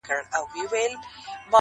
اوس تسکينه خندا راشي يره ښه وزګار سړے وم